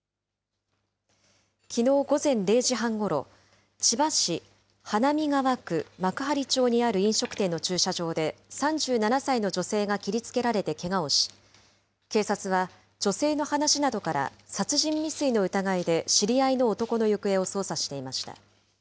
きのう午前０時半ごろ、千葉市花見川区幕張町にある飲食店の駐車場で、３７歳の女性が切りつけられてけがをし、警察は女性の話などから殺人未遂の疑いで知り合いの男の行方を捜査していました。